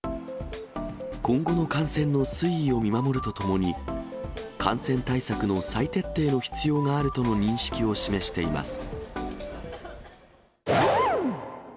今後の感染の推移を見守るとともに、感染対策の再徹底の必要があるとの認識を示しています。